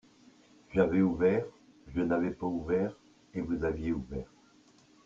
J'avais ouvert, je n'avais pas ouvert, et vous aviez ouvert